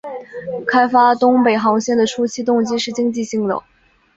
开发东北航线的初期动机是经济性的。